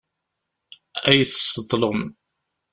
Ad iyi-tesseḍlem.